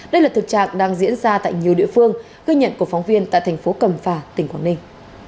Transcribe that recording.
đây là thực trạng đang diễn ra tại nhiều địa phương gây nhận của phóng viên tại tp cầm phà tỉnh quảng ninh